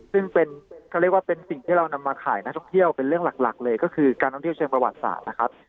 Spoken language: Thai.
ซึ่งเป็นเขาเรียกว่าเป็นสิ่งที่เรานำมาขายนักท่องเที่ยวเป็นเรื่องหลักเลยก็คือการท่องเที่ยวเชิงประวัติศาสตร์นะครับ